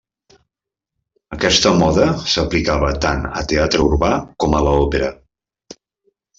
Aquesta moda s'aplicava tant a teatre urbà com a l'òpera.